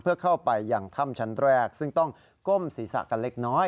เพื่อเข้าไปอย่างถ้ำชั้นแรกซึ่งต้องก้มศีรษะกันเล็กน้อย